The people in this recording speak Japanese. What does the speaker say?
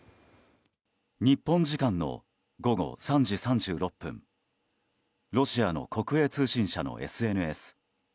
日本時間の午後３時３６分ロシアの国営通信社のＳＮＳ。